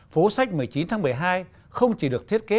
phố sách một mươi chín tháng một mươi hai không chỉ được thiết kế